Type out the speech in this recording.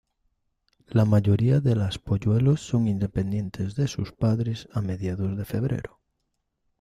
La mayoría de las polluelos son independientes de sus padres a mediados de febrero.